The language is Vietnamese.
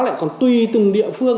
lại còn tùy từng địa phương